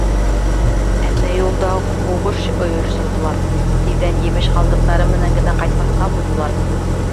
Әммә юлда уҡ һуғыш ойошторҙолар, тиҙҙән емеш ҡалдыҡтары менән генә ҡайтмаҫҡа булдылар.